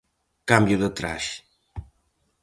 Cambio de traxe.